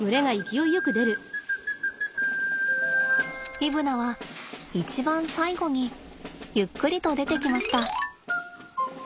イブナは一番最後にゆっくりと出てきました。